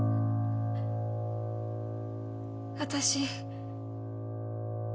私。